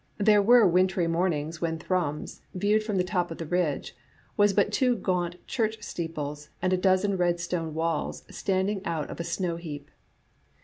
There were wintry mornings when Ttrums, viewed from the top of the ridge, was but two gaunt church steeples and a dozen red stone walls standing out of a snow heap.